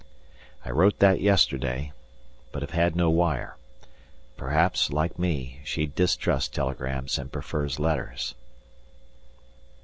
I wrote that yesterday, but have had no wire. Perhaps, like me, she distrusts telegrams and prefers letters.